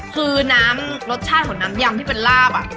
คือน้ำรสชาติของน้ำยำที่เป็นลาบ